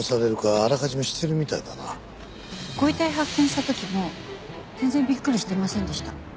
ご遺体を発見した時も全然びっくりしてませんでした。